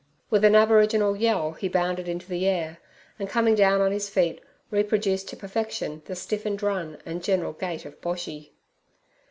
With an aboriginal yell he bounded into the air, and coming down on his feet reproduced to perfection the stiffened run and general gait of Boshy.